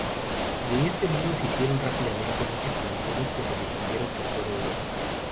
De este libro se hicieron rápidamente muchas ediciones que se difundieron por toda Europa.